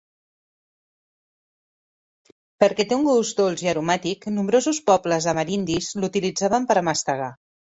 Perquè té un gust dolç i aromàtic, nombrosos pobles amerindis l'utilitzaven per a mastegar.